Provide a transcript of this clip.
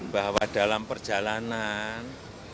bahwa dalam perjalanan